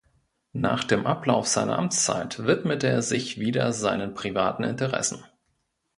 Nach dem Ablauf seiner Amtszeit widmete er sich wieder seinen privaten Interessen.